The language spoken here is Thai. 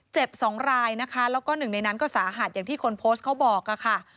สองรายนะคะแล้วก็หนึ่งในนั้นก็สาหัสอย่างที่คนโพสต์เขาบอกค่ะ